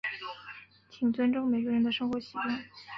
请尊重每个人的生活习惯。